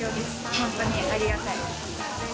本当にありがたい。